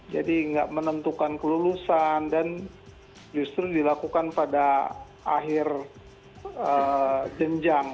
jadi nggak menentukan kelulusan dan justru dilakukan pada akhir jenjang